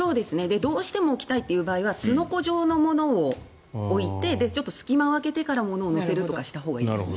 どうしても置きたい場合はすのこ状のものを置いてちょっと隙間を空けてから物を乗せるようにしたほうがいい。